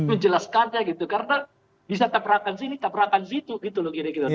menjelaskannya gitu karena bisa tabrakan sini tabrakan situ gitu loh kira kira